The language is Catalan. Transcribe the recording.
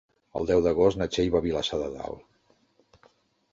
El deu d'agost na Txell va a Vilassar de Dalt.